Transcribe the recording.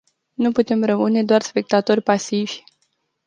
Nu putem rămâne doar spectatori pasivi.